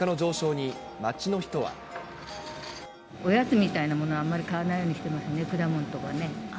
おやつみたいなものは、あんまり買わないようにしてますね、果物とかね。